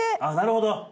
あっなるほど！